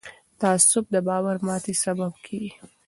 تعصب د باور ماتې سبب کېږي